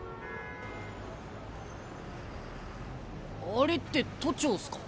あれって都庁っすか？